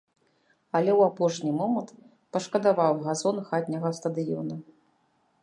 Але ў апошні момант пашкадаваў газон хатняга стадыёна.